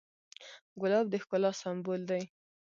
ګلاب د ښکلا سمبول دی.